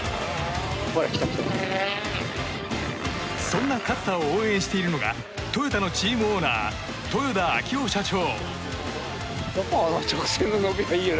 そんな勝田を応援しているのがトヨタのチームオーナー豊田章男社長。